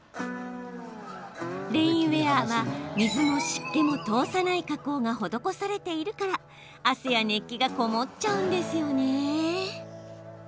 レインウエアは、水も湿気も通さない加工が施されているから汗や熱気が籠もっちゃうんですよね。